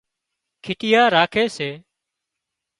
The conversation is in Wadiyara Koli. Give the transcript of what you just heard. کِٽيا راکي سي